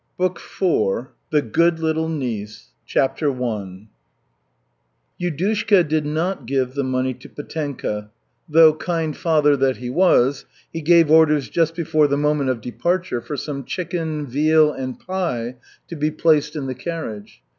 BOOK IV THE GOOD LITTLE NIECE CHAPTER I Yudushka did not give the money to Petenka, though, kind father that he was, he gave orders just before the moment of departure for some chicken, veal and pie to be placed in the carriage.